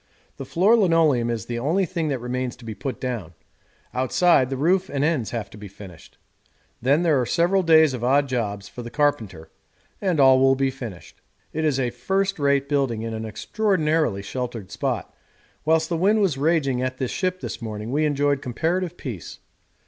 The floor linoleum is the only thing that remains to be put down; outside, the roof and ends have to be finished. Then there are several days of odd jobs for the carpenter, and all will be finished. It is a first rate building in an extraordinarily sheltered spot; whilst the wind was raging at the ship this morning we enjoyed comparative peace.